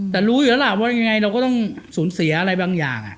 แต่รู้อยู่แล้วล่ะว่ายังไงเราก็ต้องสูญเสียอะไรบางอย่าง